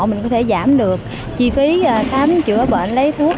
mình có thể giảm được chi phí khám chữa bệnh lấy thuốc